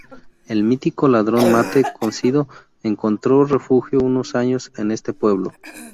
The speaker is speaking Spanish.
El mítico ladrón Mate Cosido encontró refugio unos años en este pueblo.